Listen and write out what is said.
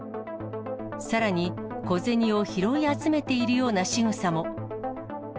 さらに、小銭を拾い集めているようなしぐさも。